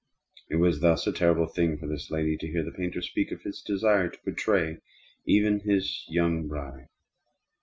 It was thus a terrible thing for this lady to hear the painter speak of his desire to portray even his young bride.